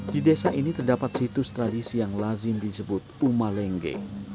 di desa ini terdapat situs tradisi yang lazim disebut uma lengge